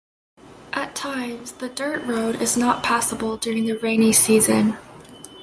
At times, the dirt road is not passable during the rainy season.